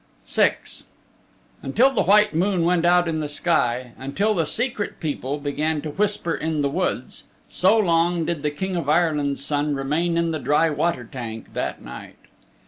VI Until the white moon went out in the sky; until the Secret People began to whisper in the woods so long did the King of Ireland's Son remain in the dry water tank that night.